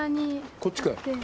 こっちかい。